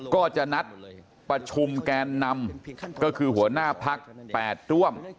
ก็จะนัดประชุมแกนนำก็คือหัวหน้าพัก๘ร่วม